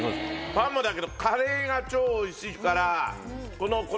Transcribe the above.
パンもだけどカレーが超おいしいからこの。え！